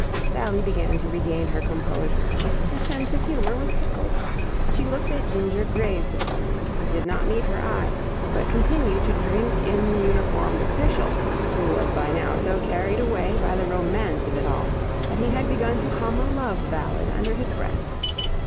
Sally began to regain her composure. Her sense of humour was tickled. She looked at Ginger gravely. He did not meet her eye, but continued to drink in the uniformed official, who was by now so carried away by the romance of it all that he had begun to hum a love ballad under his breath.